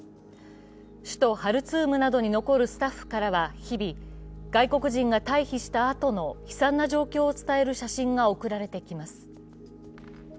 首都ハルツームなどに残るスタッフからは日々、外国人が退避したあとの悲惨な状況を伝える写真が送られてきます。